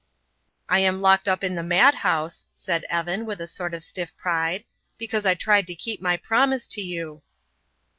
"I am locked up in the madhouse," said Evan, with a sort of stiff pride, "because I tried to keep my promise to you."